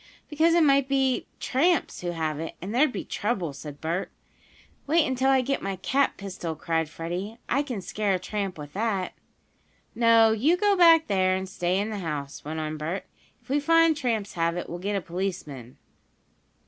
"Because it might be tramps who have it, and there'd be trouble," said Bert. "Wait until I get my cap pistol!" cried Freddie. "I can scare a tramp with that." "No, you go back there, and stay in the house," went on Bert. "If we find tramps have it, we'll get a policeman."